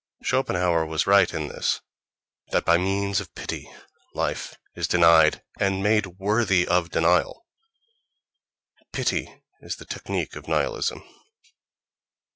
Schopenhauer was right in this: that by means of pity life is denied, and made worthy of denial—pity is the technic of nihilism.